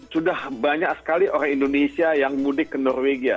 sudah banyak sekali orang indonesia yang mudik ke norwegia